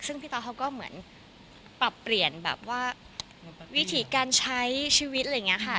ซึ่งพี่ต๊อกเขาก็เหมือนปรับเปลี่ยนแบบว่าวิถีการใช้ชีวิตอะไรอย่างนี้ค่ะ